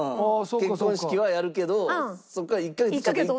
結婚式はやるけどそこから１カ月ちょっと。